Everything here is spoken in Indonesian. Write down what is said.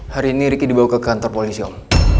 hari ini riki dibawa ke kantor polisi om